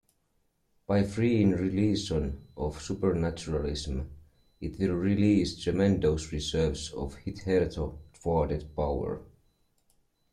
By freeing religion of supernaturalism, it will release tremendous reserves of hitherto thwarted power.